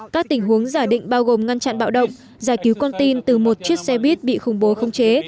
các tình huống giả định bao gồm ngăn chặn bạo động giải cứu con tin từ một chiếc xe buýt bị khủng bố không chế